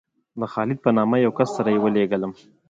د خالد په نامه یو کس سره یې ولېږلم.